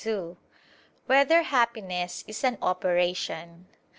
2] Whether Happiness Is an Operation?